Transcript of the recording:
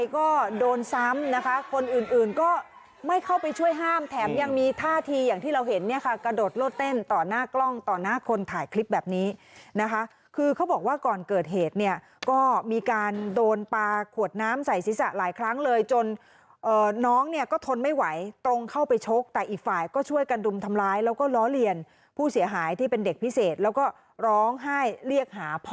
ไปก็โดนซ้ำนะคะคนอื่นอื่นก็ไม่เข้าไปช่วยห้ามแถมยังมีท่าทีอย่างที่เราเห็นเนี่ยค่ะกระโดดรถเต้นต่อหน้ากล้องต่อหน้าคนถ่ายคลิปแบบนี้นะคะคือเขาบอกว่าก่อนเกิดเหตุเนี่ยก็มีการโดนปลาขวดน้ำใส่ศีรษะหลายครั้งเลยจนเอ่อน้องเนี่ยก็ทนไม่ไหวตรงเข้าไปชกแต่อีกฝ่ายก็ช่วยกันดุมทำร้ายแล้วก็ล้อเลีย